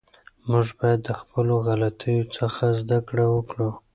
موږ باید د خپلو غلطیو څخه زده کړه وکړو.